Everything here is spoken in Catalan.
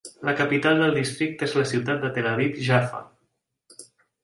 La capital del districte és la ciutat de Tel Aviv-Jaffa.